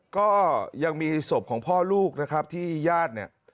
ก็ยังมีศพของพ่อลูกนะครับที่ญาติเนี่ย